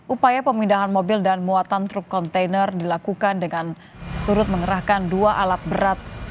upaya pemindahan mobil dan muatan truk kontainer dilakukan dengan turut mengerahkan dua alat berat